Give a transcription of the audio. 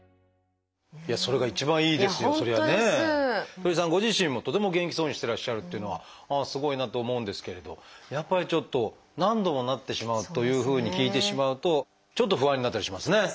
鳥居さんご自身もとても元気そうにしてらっしゃるというのはすごいなと思うんですけれどやっぱりちょっと何度もなってしまうというふうに聞いてしまうとちょっと不安になったりしますね。